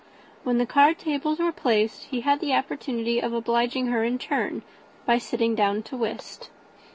When the card tables were placed, he had an opportunity of obliging her, in return, by sitting down to whist.